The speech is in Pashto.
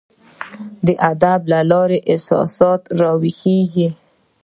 د ادب له لاري احساسات راویښیږي.